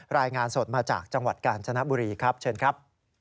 รายงานสดมาจากจังหวัดกาญจนบุรีครับเชิญครับ